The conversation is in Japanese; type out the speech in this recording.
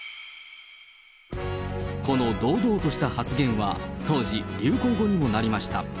この堂々とした発言は、当時、流行語にもなりました。